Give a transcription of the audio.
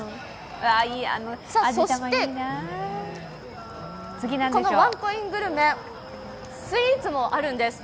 そしてこのワンコイングルメスイーツもあるんです。